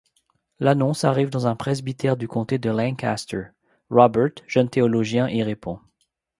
L'annonce arrive dans un presbytère du comté de Lancaster, Robert, jeune théologien, y répond.